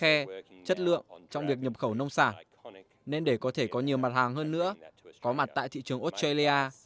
nó rất khen chất lượng trong việc nhập khẩu nông sản nên để có thể có nhiều mặt hàng hơn nữa có mặt tại thị trường australia